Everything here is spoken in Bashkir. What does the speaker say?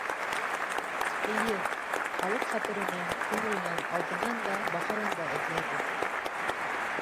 — Эйе, халыҡ хәтеренән, күңеленән алтынын да, баҡырын да эҙләйбеҙ.